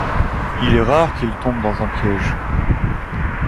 Il est rare qu'il tombe dans un piège.